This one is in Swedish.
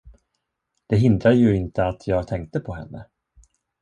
Det hindrade ju inte att jag tänkte på henne.